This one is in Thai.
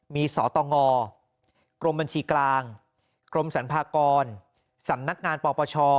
มีสอต่องอกรมบัญชีกลางกรมสัมภากรสรรฯนักงานปปช